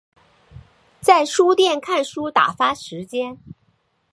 在书店看书打发时间